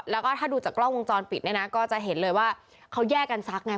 แล้วก็ถ้าดูจากกล้องวงจรปิดเนี่ยนะก็จะเห็นเลยว่าเขาแยกกันซักไง